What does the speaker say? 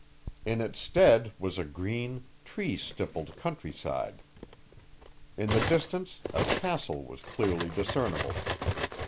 In its stead was a green, tree stippled countryside. In the distance, a castle was clearly discernible.